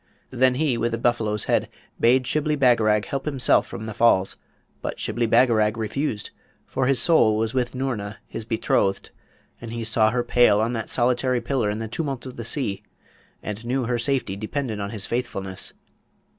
Then he with the buffalo's head bade Shibli Bagarag help himself from the falls; but Shibli Bagarag refused, for his soul was with Noorna, his betrothed; and he saw her pale on that solitary pillar in the tumult of the sea, and knew her safety depended on his faithfulness.